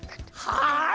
はい！